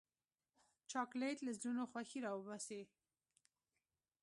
چاکلېټ له زړونو خوښي راوباسي.